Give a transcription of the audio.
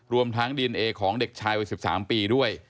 รวมทั้งดีเอนเอของเด็กชายวัย๑๓ปีด้วย